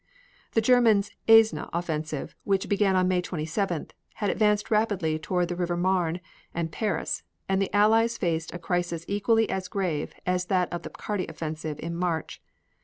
The Germans' Aisne offensive, which began on May 27th, had advanced rapidly toward the River Marne and Paris, and the Allies faced a crisis equally as grave as that of the Picardy offensive in March.